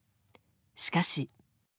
しかし。